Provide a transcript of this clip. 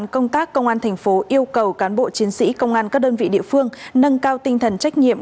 công tác công an thành phố yêu cầu cán bộ chiến sĩ công an các đơn vị địa phương nâng cao tinh thần trách nhiệm